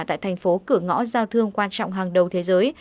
tại thành phố cửa ngõ giao thương quan trọng hàng đầu thế giới